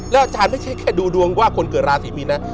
อาจารย์ไม่ใช่แค่ดูดวงว่าคนเกิดราศีมีนนะ